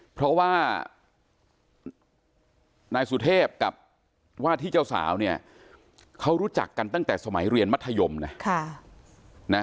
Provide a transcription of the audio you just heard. เพราะว่านายสุเทพกับว่าที่เจ้าสาวเนี่ยเขารู้จักกันตั้งแต่สมัยเรียนมัธยมนะ